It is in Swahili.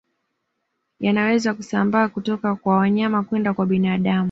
Yanaweza kusambaa kutoka kwa wanyama kwenda kwa binadamu